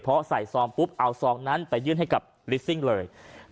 เพราะใส่ซองปุ๊บเอาซองนั้นไปยื่นให้กับลิสซิ่งเลย